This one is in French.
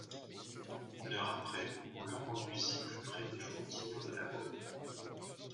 Une heure après, on le conduisit plus près des frontières de la Bohême.